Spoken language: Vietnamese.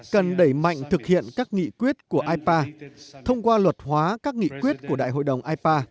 cần đẩy mạnh thực hiện các nghị quyết của ipa thông qua luật hóa các nghị quyết của đại hội đồng ipa